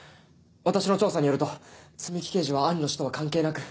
私の調査によると摘木刑事は兄の死とは関係なく。